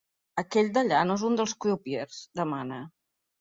Aquell d'allà no és un dels crupiers? —demana.